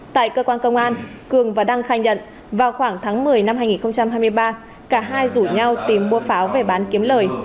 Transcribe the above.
tại cơ quan công an cường và đăng khai nhận vào khoảng tháng một mươi năm hai nghìn hai mươi ba cả hai rủ nhau tìm mua pháo về bán kiếm lời